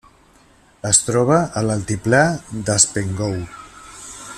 Es troba a l'altiplà d'Haspengouw.